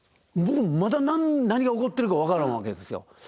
僕もまだ何が起こってるか分からんわけですよ。